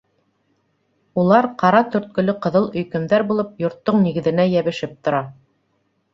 Улар, ҡара төрткөлө ҡыҙыл өйкөмдәр булып, йорттоң нигеҙенә йәбешеп тора.